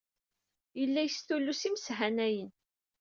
Yella yestullus imeshanayen.